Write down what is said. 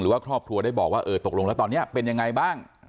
ว่าครอบครัวได้บอกว่าเออตกลงแล้วตอนนี้เป็นยังไงบ้าง